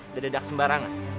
dan dedak sembarangan